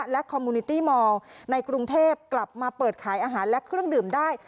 และคอมมูนิตี้มอลในกรุงเทพกลับมาเปิดขายอาหารและเครื่องดื่มได้